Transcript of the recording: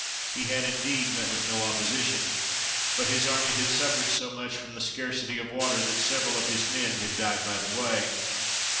He had, indeed, met with no opposition, but his army had suffered so much from the scarcity of water that several of his men had died by the way.